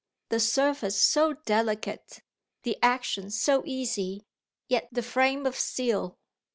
"The surface so delicate, the action so easy, yet the frame of steel."